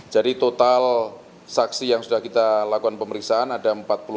jadi total saksi yang sudah kita lakukan pemeriksaan ada empat puluh tiga